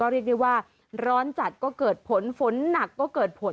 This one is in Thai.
ร้อนจัดก็เกิดผลฝนหนักก็เกิดผล